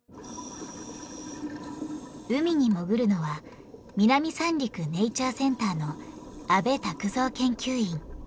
海に潜るのは南三陸ネイチャーセンターの阿部拓三研究員。